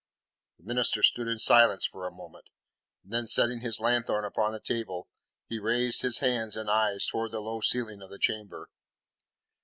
The minister stood in silence for a moment; then setting his lanthorn upon the table, he raised his hands and eyes towards the low ceiling of the chamber.